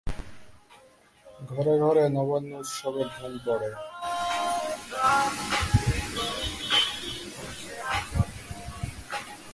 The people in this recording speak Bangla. ঘরে ঘরে নবান্ন উৎসবের ধুম পড়ে।